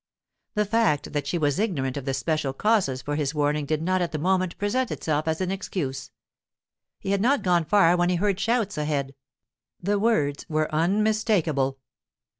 The fact that she was ignorant of the special causes for his warning did not at the moment present itself as an excuse. He had not gone far when he heard shouts ahead. The words were unmistakable.